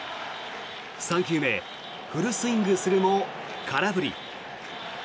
３球目フルスイングするも空振り。